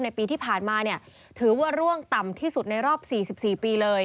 ปีที่ผ่านมาถือว่าร่วงต่ำที่สุดในรอบ๔๔ปีเลย